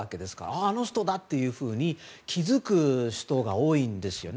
あの人だっていうふうに気付く人が多いんですよね。